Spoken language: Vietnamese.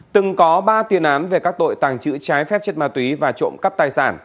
từng có ba tiền án về các tội tàng trữ trái phép chất ma túy và trộm cắp tài sản